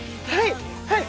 はい！